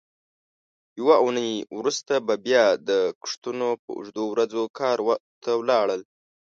یوه اوونۍ وروسته به بیا د کښتونو په اوږدو ورځو کار ته ولاړل.